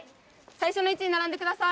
最初の位置に並んでください。